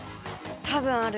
多分ある。